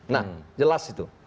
nah jelas itu